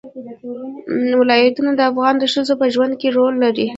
ولایتونه د افغان ښځو په ژوند کې رول لري.